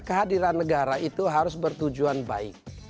kehadiran negara itu harus bertujuan baik